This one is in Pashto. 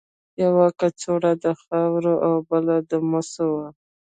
یوه کڅوړه د خاورو او بله د مسو وه.